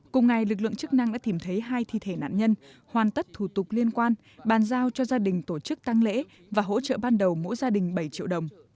cùng ngày lực lượng chức năng đã tìm thấy hai thi thể nạn nhân hoàn tất thủ tục liên quan bàn giao cho gia đình tổ chức tăng lễ và hỗ trợ ban đầu mỗi gia đình bảy triệu đồng